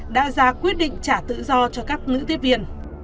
đã ra quyết định trả tự do cho các nữ tiếp viên